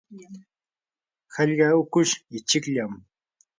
hallqa hukush ichikllam.